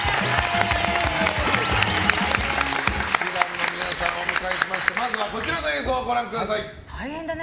氣志團の皆さんをお迎えしましてまずこちらの映像をご覧ください。